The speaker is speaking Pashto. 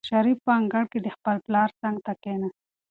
شریف په انګړ کې د خپل پلار څنګ ته کېناست.